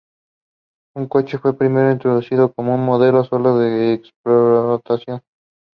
People just compare the number of pages.